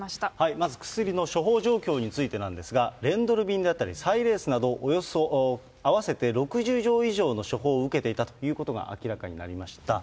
まず薬の処方状況についてなんですが、レンドルミンであったり、サイレースなどおよそ合わせて６０錠以上の処方を受けていたということが明らかになりました。